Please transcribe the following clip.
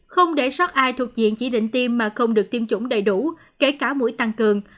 không để sót ai thuộc diện chỉ định tiêm mà không được tiêm chủng đầy đủ kể cả mũi tăng cường